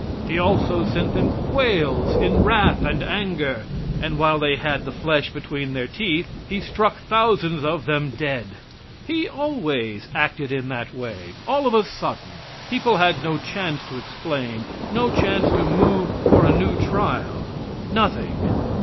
He also sent them quails in wrath and anger, and while they had the flesh between their teeth, he struck thousands of them dead. He always acted in that way, all of a sudden. People had no chance to explain no chance to move for a new trial nothing.